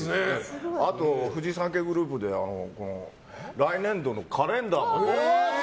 あとフジサンケイグループで来年度のカレンダーも。